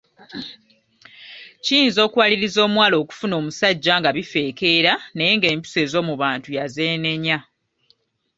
Kiyinza okuwaliriza omuwala okufuna omusajja nga bifeekera naye ng’empisa ez’omu bantu yazeenenya!